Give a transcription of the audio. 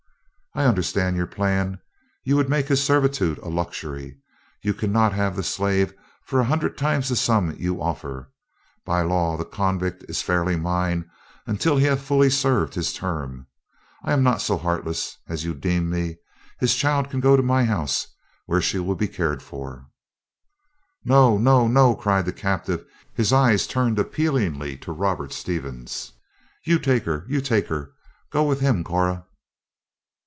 "I understand your plan. You would make his servitude a luxury. You cannot have the slave for a hundred times the sum you offer. By law, the convict is fairly mine until he hath fully served his term. I am not so heartless as you deem me. His child can go to my house, where she will be cared for." "No, no, no!" cried the captive, his eyes turned appealingly to Robert Stevens. "You take her; you take her. Go with him, Cora."